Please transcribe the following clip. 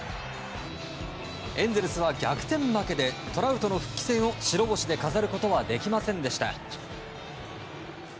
エンゼルスは逆転負けでトラウトの復帰戦を白星で飾ることはできませんでした。